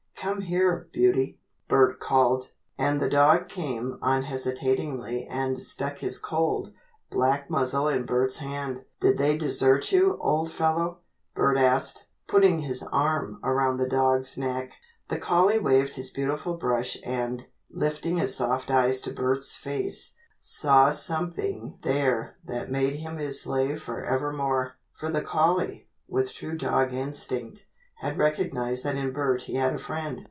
"Come here, Beauty," Bert called, and the dog came unhesitatingly and stuck his cold, black muzzle in Bert's hand. "Did they desert you, old fellow?" Bert asked, putting his arm around the dog's neck. The collie waved his beautiful brush and, lifting his soft eyes to Bert's face saw something there that made him his slave forevermore. For the collie, with true dog instinct, had recognized that in Bert he had a friend.